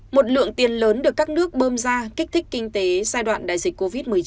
một lượng tiền lớn được các nước bơm ra kích thích kinh tế giai đoạn đại dịch covid một mươi chín